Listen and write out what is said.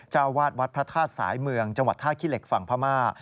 เจ้าอาวาสวัดพระธาตุสายเมืองจังหวัดท่าขี้เหล็กฝั่งพม่า